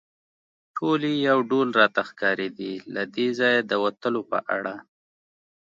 ټولې یو ډول راته ښکارېدې، له دې ځایه د وتلو په اړه.